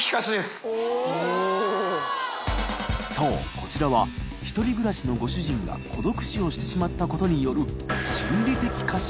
こちらは１人暮らしのご主人が鋲隼爐してしまったことによる翰［走］